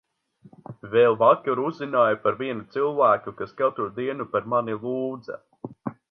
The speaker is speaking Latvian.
Vēl vakar uzzināju par vienu cilvēku, kas katru dienu par mani lūdza.